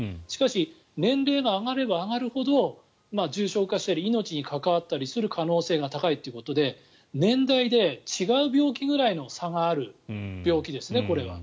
しかし年齢が上がれば上がるほど重症化したり命に関わったりする可能性が高いということで年代で違う病気ぐらいの差がある病気ですね。